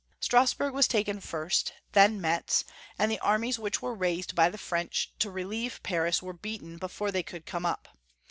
Strasburg was taken first, then Metz, and the armies which were raised by the French to relieve Paris were beaten before they could come up.